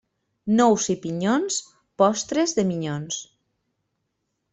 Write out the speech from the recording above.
Nous i pinyons, postres de minyons.